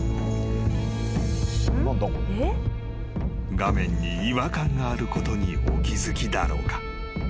［画面に違和感があることにお気付きだろうか］